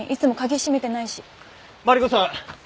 マリコさん！